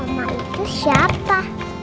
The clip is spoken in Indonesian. oma itu siapa